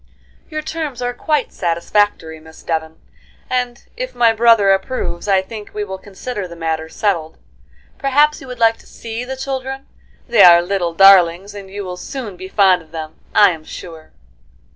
"Your terms are quite satisfactory, Miss Devon, and if my brother approves, I think we will consider the matter settled. Perhaps you would like to see the children? They are little darlings, and you will soon be fond of them, I am sure."